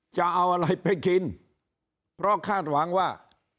จะเอาอะไรไปกินเพราะคาดหวังว่า